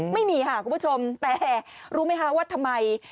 ไม่มีค่ะคุณผู้ชมแต่รู้ไหมคะว่าทำไม